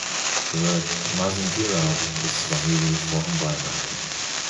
The word "Mazingira" is Swahili for "environment".